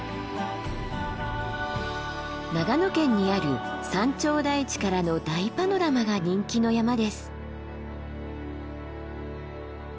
長野県にある山頂台地からの大パノラマが人気の山です。